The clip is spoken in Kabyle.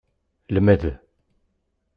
Lmed!